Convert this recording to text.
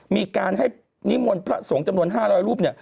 มีการให้นิมวลพระสวงจำนวน๕๐๐รูป